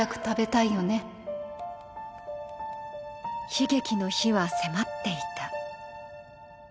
悲劇の日は迫っていた。